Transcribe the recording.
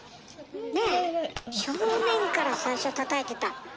ねえ正面から最初たたいてた。